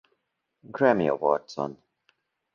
Grammy Awards-on.